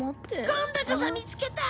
今度こそ見つけた！